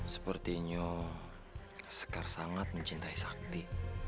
sepertinya sekar sangat mencintai sakti